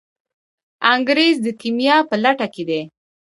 انګریز د کیمیا په لټه کې دی.